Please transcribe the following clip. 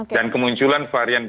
dan kemunculan varian b dua